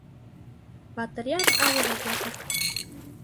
Батырйән ауырып ята.